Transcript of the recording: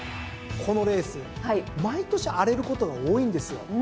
このレース毎年荒れることが多いんですよ。